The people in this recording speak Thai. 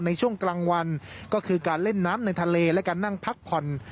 ในช่วงกลางวันก็คือการเล่นน้ำในทะเลและการนั่งพักผ่อน